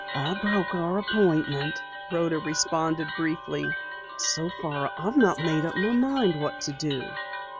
"I broke our appointment," Rhoda responded briefly. "So far I've not made up my mind what to do."